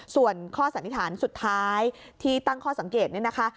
ส่วนข้อสันนิษฐานสุดท้ายที่ตั้งข้อสังเกตนี่นะคะ